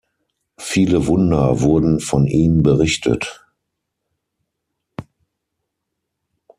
Viele Wunder wurden von ihm berichtet.